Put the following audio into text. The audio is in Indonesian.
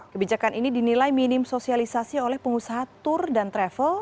kebijakan ini dinilai minim sosialisasi oleh pengusaha tour dan travel